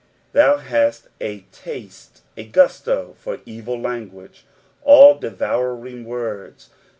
Thou hast a taste, a gusto for evil language. " AU dmouring wordi.